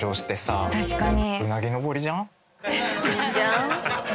確かに。